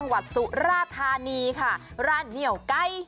สุราธานีค่ะร้านเหนียวไก่